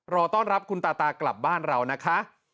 รอต้อนรับคุณตาตากลับบ้านเรานะคะ